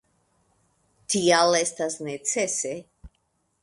Tial estas necese.